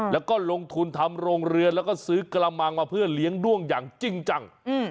แล้วก็ลงทุนทำโรงเรือนแล้วก็ซื้อกระมังมาเพื่อเลี้ยงด้วงอย่างจริงจัง